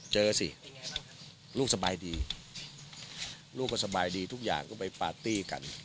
สิลูกสบายดีลูกก็สบายดีทุกอย่างก็ไปปาร์ตี้กัน